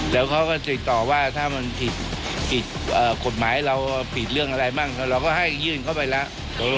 แล้วเขาก็ติดต่อว่าถ้ามันผิดกฎหมายเราผิดเรื่องอะไรมั่งเราก็ให้ยื่นเข้าไปแล้ว